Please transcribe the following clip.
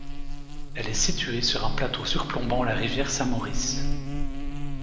Elle est située sur un plateau surplombant la rivière Saint-Maurice.